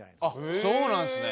そうなんですね。